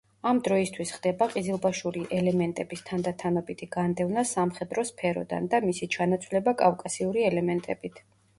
ამ დროისთვის ხდება ყიზილბაშური ელემენტების თანდათანობითი განდევნა სამხედრო სფეროდან და მისი ჩანაცვლება კავკასიური ელემენტებით.